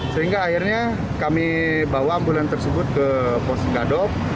sehingga akhirnya kami bawa ambulans tersebut ke pos gadop